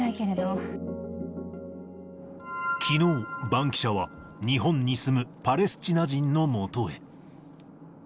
きのう、バンキシャは日本に住むパレスチナ人のもとへ。